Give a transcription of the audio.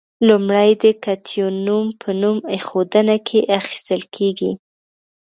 لومړی د کتیون نوم په نوم ایښودنه کې اخیستل کیږي.